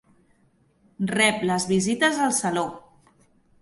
Rep les visites al saló.